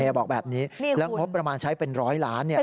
เนี่ยบอกแบบนี้นี่คุณแล้วงบประมาณใช้เป็นร้อยล้านเนี่ย